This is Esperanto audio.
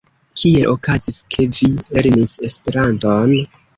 Kiel okazis, ke vi lernis Esperanton?